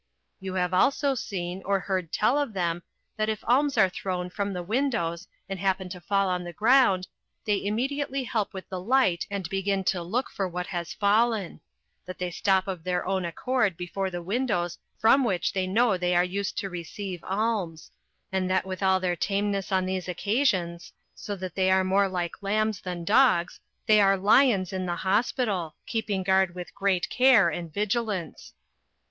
You have also seen, or heard tell of them, that if alms are thrown from the windows, and happen to fall on the ground, they immediately help with the light and begin to look for what has fallen; that they stop of their own accord before the windows from which they know they are used to receive alms; and that with all their tameness on these occasions, so that they are more like lambs than dogs, they are lions in the hospital, keeping guard with great care and vigilance.